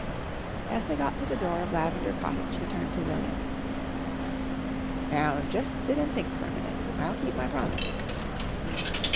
As they got to the door of Lavender Cottage he turned to William. "Now just sit and think for a minute. I'll keep my promise."